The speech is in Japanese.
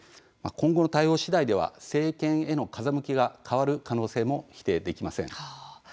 今後の対応次第では政権への風向きが変わる可能性も否定できません。